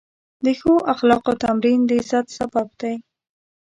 د ښو اخلاقو تمرین د عزت سبب دی.